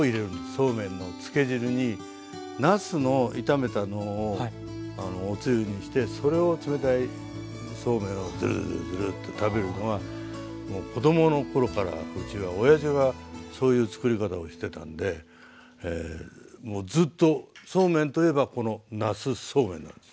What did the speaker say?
そうめんのつけ汁になすの炒めたのをおつゆにしてそれを冷たいそうめんをズルズルズルッと食べるのはもう子供の頃からうちはおやじがそういうつくり方をしてたんでもうずっとそうめんといえばこのなすそうめんなんです。